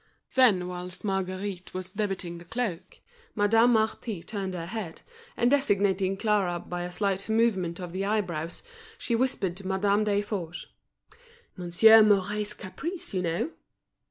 Then whilst Marguerite was debiting the cloak, Madame Marty turned her head, and designating Clara by a slight movement of the eyebrows, she whispered to Madame Desforges: "Monsieur Mouret's caprice, you know!"